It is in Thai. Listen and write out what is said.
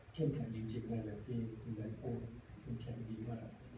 เช่นแข็งจริงแน่นอนที่คุณแดนโฟฟัสอยู่แข็งดีมาก